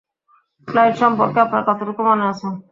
Flight সম্পর্কে আপনার কতটুকু মনে আছে?